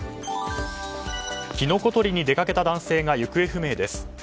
キノコ採りに出かけた男性が行方不明です。